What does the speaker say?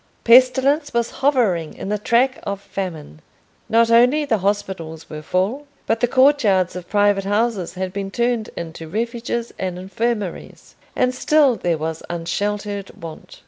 Pestilence was hovering in the track of famine. Not only the hospitals were full, but the courtyards of private houses had been turned into refuges and infirmaries; and still there was unsheltered want.